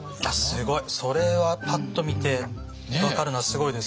すごい。それはパッと見て分かるのはすごいです。